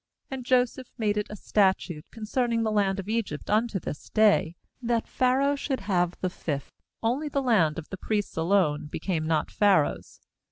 ^And Joseph made it a statute concerning the land of Egypt unto this day, that Pharaoh should have the fifth; only the land of the priests alone became not Pharaoh's.